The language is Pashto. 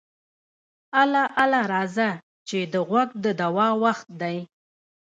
اله اله راځه چې د غوږ د دوا وخت دی.